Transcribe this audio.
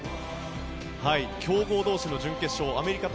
強豪の準決勝アメリカ対